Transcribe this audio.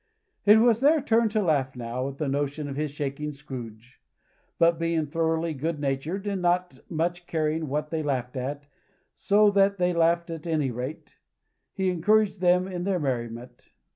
It was their turn to laugh now, at the notion of his shaking Scrooge. But being thoroughly goodnatured, and not much caring what they laughed at, so that they laughed at any rate, he encouraged them in their merriment.